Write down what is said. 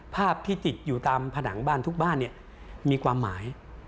ภาพที่ติดอยู่ตามผนังบ้านทุกบ้านเนี่ยมีความหมาย